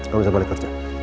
kamu bisa balik kerja